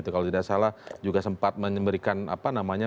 kalau tidak salah juga sempat memberikan apa namanya